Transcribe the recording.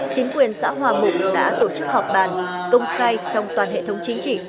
chính quyền xã hòa mục đã tổ chức họp bàn công khai trong toàn hệ thống chính trị